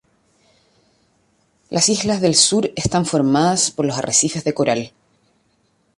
Las islas del sur están formadas por los arrecifes de coral.